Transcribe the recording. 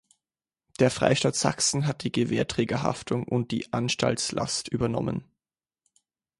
Der Freistaat Sachsen hat die Gewährträgerhaftung und die Anstaltslast übernommen.